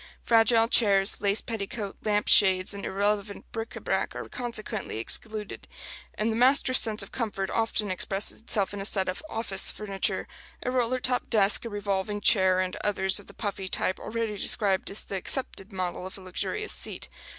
Fragile chairs, lace petticoat lamp shades and irrelevant bric à brac are consequently excluded; and the master's sense of comfort often expresses itself in a set of "office" furniture a roller top desk, a revolving chair, and others of the puffy type already described as the accepted model of a luxurious seat.